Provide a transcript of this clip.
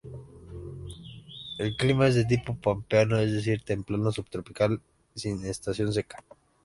El clima es de tipo pampeano, es decir, templado subtropical sin estación seca.